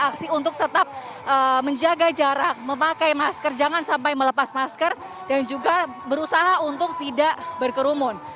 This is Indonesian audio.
aksi untuk tetap menjaga jarak memakai masker jangan sampai melepas masker dan juga berusaha untuk tidak berkerumun